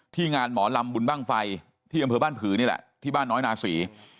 งานหมอลำบุญบ้างไฟที่อำเภอบ้านผือนี่แหละที่บ้านน้อยนาศรี